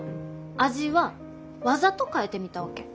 味はわざと変えてみたわけ。